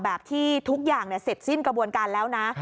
แบบที่ทุกอย่างเสร็จสิ้นกระบวนการแล้วนะ